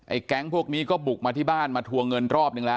แก๊งพวกนี้ก็บุกมาที่บ้านมาทวงเงินรอบนึงแล้ว